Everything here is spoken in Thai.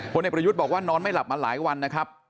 เด็กประยุทธ์บอกว่านอนไม่หลับมาหลายวันนะครับ